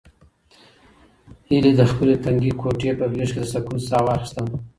هیلې د خپلې تنګې کوټې په غېږ کې د سکون ساه واخیسته.